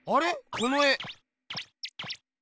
この絵。